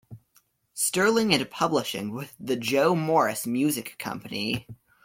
Sterling and publishing with the Joe Morris Music Company.